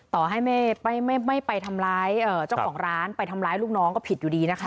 ต่อให้ไม่ไปทำร้ายเจ้าของร้านไปทำร้ายลูกน้องก็ผิดอยู่ดีนะคะ